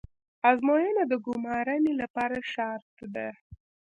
ازموینه د ګمارنې لپاره شرط ده